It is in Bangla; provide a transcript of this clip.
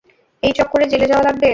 এই চক্করে জেলে যাওয়া লাগবে।